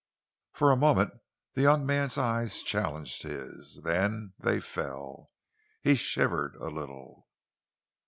For a moment the young man's eyes challenged his. Then they fell. He shivered a little.